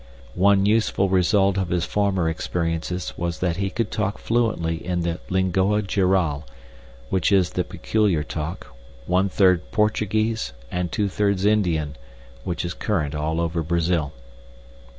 One useful result of his former experiences was that he could talk fluently in the Lingoa Geral, which is the peculiar talk, one third Portuguese and two thirds Indian, which is current all over Brazil.